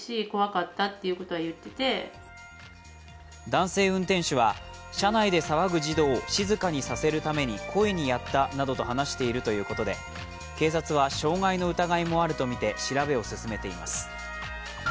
男性運転手は車内で騒ぐ児童を静かにさせるために故意にやったなどと話しているということで警察は傷害の疑いもあるとみて調べを進めています。